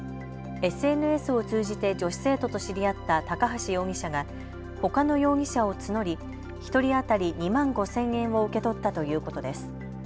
ＳＮＳを通じて女子生徒と知り合った高橋容疑者がほかの容疑者を募り１人当たり２万５０００円を受け取ったということです。